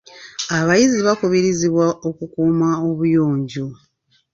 Abayizi bakubirizibwa okukuuma obuyonjo.